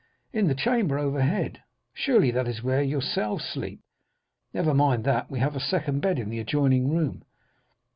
"'In the chamber overhead.' "'Surely that is where you yourselves sleep?' "'Never mind that; we have a second bed in the adjoining room.